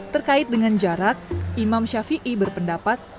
terkait dengan jarak imam shafi'i berpendapat